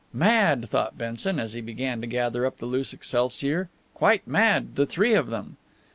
Mad, thought Benson, as he began to gather up the loose excelsior; quite mad, the three of them.